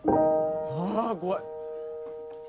あぁ怖い！